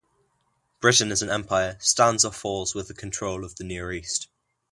Britain as an empire stands or falls with the control of the Near East.